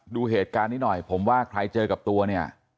ดูเหตุการณ์นี้หน่อยผมว่าใครเจอกับตัวเนี่ย